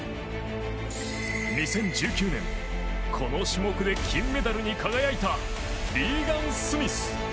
２０１９年、この種目で金メダリストに輝いたリーガン・スミス。